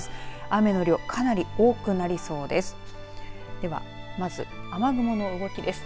雨の量かなり多くなりそうです。